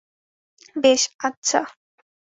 বেশ, আচ্ছা।